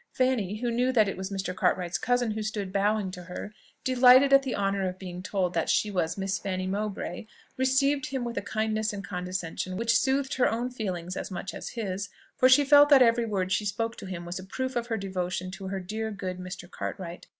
Fanny, who knew that it was Mr. Cartwright's cousin who stood bowing to her, delighted at the honour of being told that she was "Miss Fanny Mowbray," received him with a kindness and condescension which soothed her own feelings as much as his, for she felt that every word she spoke to him was a proof of her devotion to her dear, good Mr. Cartwright!